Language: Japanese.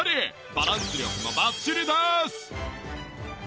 バランス力もバッチリです！